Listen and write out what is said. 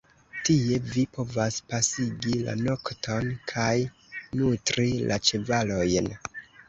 Tie vi povas pasigi la nokton kaj nutri la ĉevalojn.